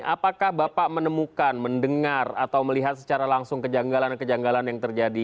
apakah bapak menemukan mendengar atau melihat secara langsung kejanggalan kejanggalan yang terjadi